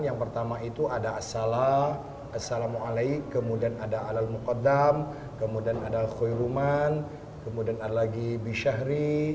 yang pertama itu ada asala salamu alaih kemudian ada alal mukaddam kemudian ada khairuman kemudian ada lagi bisyahri